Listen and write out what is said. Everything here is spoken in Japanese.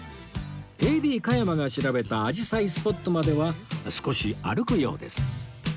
ＡＤ 加山が調べた紫陽花スポットまでは少し歩くようです